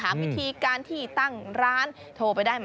ถามวิธีการที่ตั้งร้านโทรไปได้